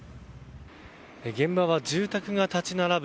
現場は住宅が立ち並ぶ